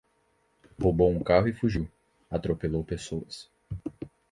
Roubou um carro e fugiu, atropelou pessoas